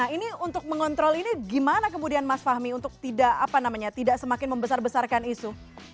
nah ini untuk mengontrol ini gimana kemudian mas fahmi untuk tidak semakin membesar besarkan isu